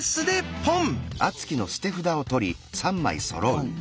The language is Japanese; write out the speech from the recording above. ポン！